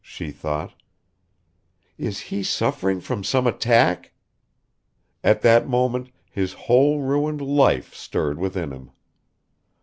she thought, "is he suffering from some attack?" At that moment his whole ruined life stirred within him.